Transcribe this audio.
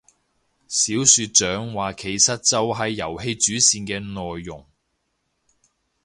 小說長話其實就係遊戲主線嘅內容